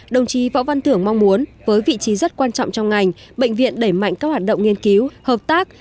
đồng chí võ văn thưởng mong muốn với vị trí rất quan trọng trong ngành bệnh viện đẩy mạnh các hoạt động nghiên cứu hợp tác